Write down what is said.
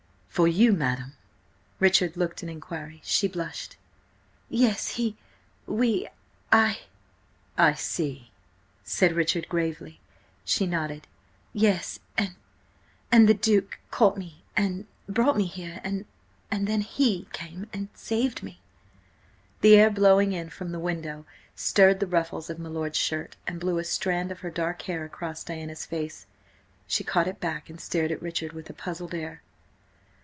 "For you, madam?" Richard looked an inquiry. She blushed. "Yes–he–we–I—" "I see," said Richard gravely. She nodded. "Yes, and–and the Duke–caught me, and–brought me here–and–and then he came–and saved me!" The air blowing in from the window stirred the ruffles of my lord's shirt, and blew a strand of her dark hair across Diana's face. She caught it back and stared at Richard with a puzzled air.